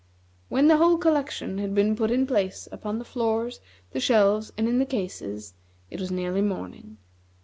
When the whole collection had been put in place upon the floors, the shelves, and in the cases, it was nearly morning.